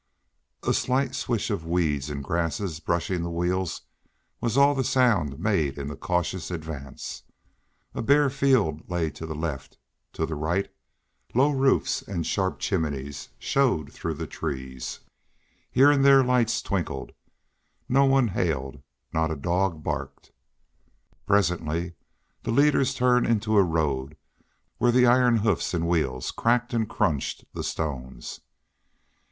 A slight swish of weeds and grasses brushing the wheels was all the sound made in the cautious advance. A bare field lay to the left; to the right low roofs and sharp chimneys showed among the trees; here and there lights twinkled. No one hailed; not a dog barked. Presently the leaders turned into a road where the iron hoofs and wheels cracked and crunched the stones.